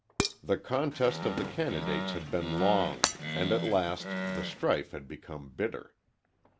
The contest of the candidates had been long, and at last the strife had become bitter.